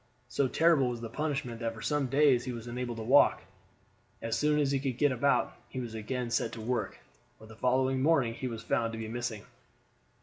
So terrible was the punishment that for some days he was unable to walk. As soon as he could get about he was again set to work, but the following morning he was found to be missing.